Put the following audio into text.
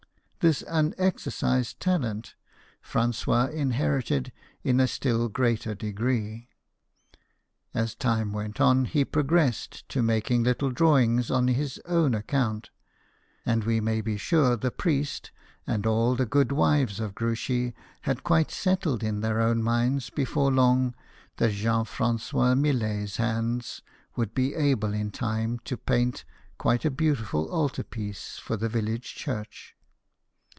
This unexercised talent Francois inherited in a still greater degree. As time went on, he pro gressed to making little drawings on his own account ; and we may be sure the priest and all the good wives of Gruchy had quite settled in the ir own minds before long that Jean Francois Millet's hands would be able in time to paint quite a beautiful altar piece for the village church.